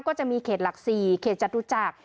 ก็จะมีเขตหลัก๔เขตจัดรู้จัก